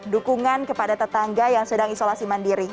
dukungan kepada tetangga yang sedang isolasi mandiri